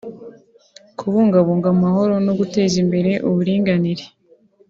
kubungabunga amahoro no guteza imbere uburinganire